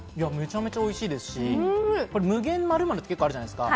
めちゃめちゃおいしいですし、無限○○って結構あるじゃないですか。